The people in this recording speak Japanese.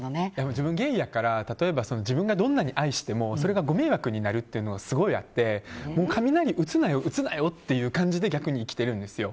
自分ゲイやから自分がどんなに愛してもそれがご迷惑になるのがすごいあって雷を打つなよ、打つなよっていう感じで逆に生きてるんですよ。